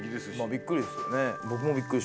びっくりですよね。